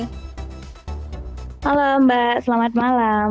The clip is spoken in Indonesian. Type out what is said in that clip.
halo mbak selamat malam